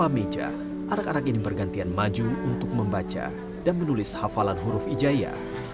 selama meja anak anak ini bergantian maju untuk membaca dan menulis hafalan huruf ijaya